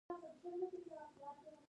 د کوټه سنګي اورلګیدنې څومره زیان وکړ؟